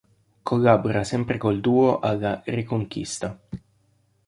Collabora sempre col duo alla "Reconquista".